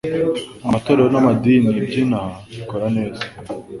Amatorero namadini byinaha bikora neza